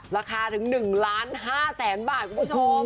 ราคาถึง๑ล้าน๕แสนบาทคุณผู้ชม